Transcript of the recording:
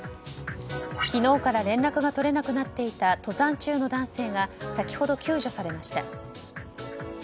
昨日から連絡が取れなくなっていた登山中の男性が先ほど救助されました。